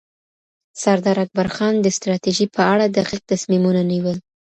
سردار اکبرخان د ستراتیژۍ په اړه دقیق تصمیمونه نیول.